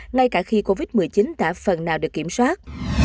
ngay cả khi covid một mươi chín đã phần nào được kiểm soát